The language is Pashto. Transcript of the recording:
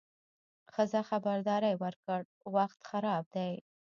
ښځه خبرداری ورکړ: وخت خراب دی.